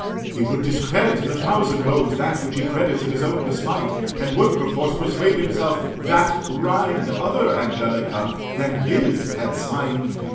He would discredit in a thousand modes, That which he credits in his own despite; And would perforce persuade himself, that rind Other Angelica than his had signed.